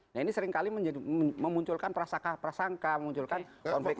nah ini seringkali memunculkan prasangka memunculkan konflik konflik gitu